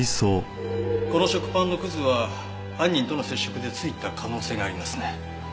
この食パンのくずは犯人との接触でついた可能性がありますね。